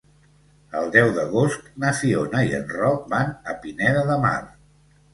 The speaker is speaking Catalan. El deu d'agost na Fiona i en Roc van a Pineda de Mar.